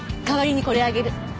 代わりにこれあげる。